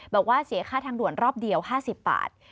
บอกว่าเสียค่าทางด่วนรอบเดียว๕๐บาท